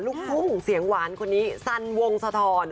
ลูกทุ่งเสียงหวานคนนี้สันวงสะทอน